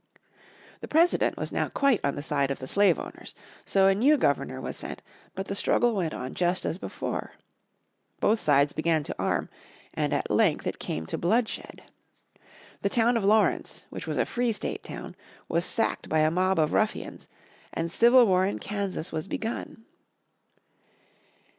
The President was now quite on the side of the slave owners. So a new Governor was sent, but the struggle went on just as before. Both sides began to arm, and at length it came to bloodshed. The town of Lawrence, which was a Free State town, was sacked by a mob of ruffians, and civil war in Kansas was begun.